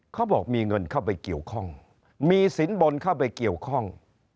เขาบอกมีเงินเข้าไปเกี่ยวข้องมีสินบนเข้าไปเกี่ยวข้อง